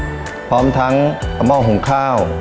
ทางโรงเรียนยังได้จัดซื้อหม้อหุงข้าวขนาด๑๐ลิตร